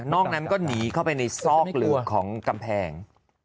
นั้นก็หนีเข้าไปในซอกหลืนของกำแพง